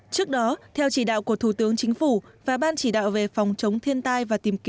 trước đó theo chỉ đạo của thủ tướng chính phủ và ban chỉ đạo về phòng chống thiên tai